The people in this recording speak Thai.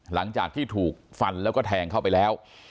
หลังจากที่ถูกฟันแล้วก็แทงเข้าไปแล้ว